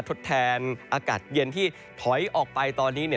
ทดแทนอากาศเย็นที่ถอยออกไปตอนนี้